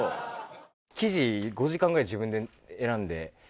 生地５時間ぐらい自分で選んで。